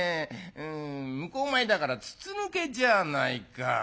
向こう前だから筒抜けじゃないか。